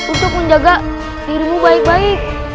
untuk menjaga dirimu baik baik